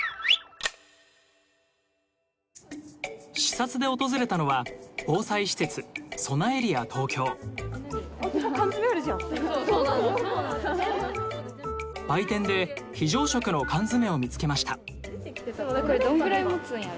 視察で訪れたのは防災施設売店で非常食の缶詰を見つけました。